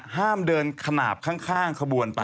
ห้ามเดินขนาบข้างขบวนไป